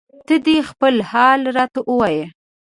ته دې خپل حال راته وایه